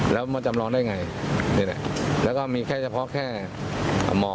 แล้วมันจำลองได้อย่างไรแล้วก็มีเฉพาะแค่หมอ